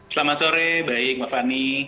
selamat sore baik maaf ani